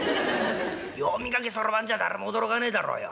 読み書きそろばんじゃ誰も驚かねえだろうよ。